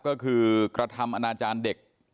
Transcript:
ก็คือกระทำอนาจารย์เด็ก